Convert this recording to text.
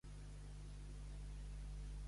Nedar més que Galindo.